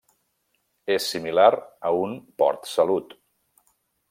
És similar a un port-salut.